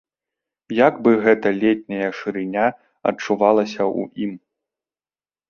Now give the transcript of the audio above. Як бы гэта летняя шырыня адчулася ў ім.